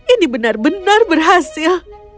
ini benar benar berhasil